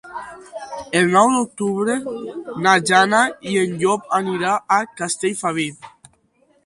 El nou d'octubre na Jana i en Llop aniran a Castellfabib.